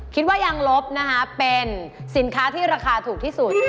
คิดว่ายางลบนะคะเป็นสินค้าที่ราคาถูกที่สุด